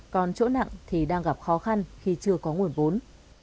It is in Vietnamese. còn chỗ nặng thì đang gặp khó khăn khi chưa có nguồn vốn